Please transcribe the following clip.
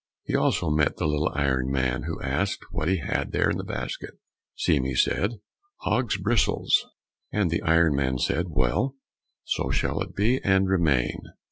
He also met the little iron man, who asked what he had there in the basket. Seame said, "Hogs' bristles," and the iron man said, "well, so shall it be, and remain."